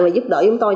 và giúp đỡ chúng tôi